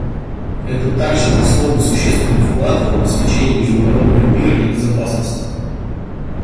Это также внесло бы существенный вклад в обеспечение международного мира и безопасности.